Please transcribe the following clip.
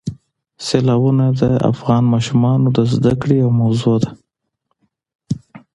سیلابونه د افغان ماشومانو د زده کړې یوه موضوع ده.